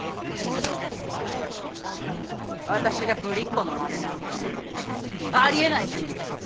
私がブリっ子のまねなんかありえないから！